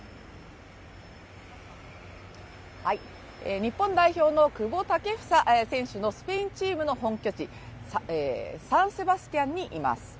日本代表の久保建英選手のスペインチームの本拠地、サン・セバスティアンにいます。